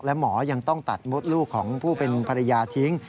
และหมอยังต้องตัดมดลูกของผู้เป็นภรรยาทิ้ง